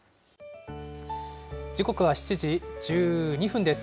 時刻は７時１２分です。